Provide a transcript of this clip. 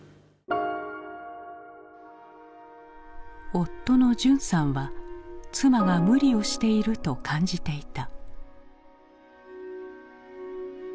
夫の淳さんは妻が無理をしていると感じていた。